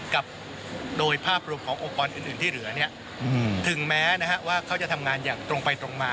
กับโดยภาพรวมขององค์กรอื่นที่เหลือเนี่ยถึงแม้ว่าเขาจะทำงานอย่างตรงไปตรงมา